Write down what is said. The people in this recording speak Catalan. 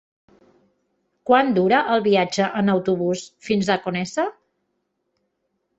Quant dura el viatge en autobús fins a Conesa?